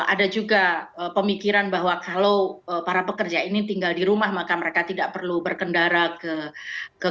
ada juga pemikiran bahwa kalau para pekerja ini tinggal di rumah maka mereka tidak perlu berkendara